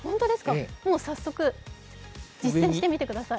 もう早速、実践してみてください。